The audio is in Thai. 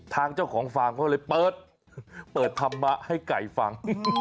ทางเจ้าของฟาร์มเขาเลยเปิดธรรมะให้ไก่ฟัง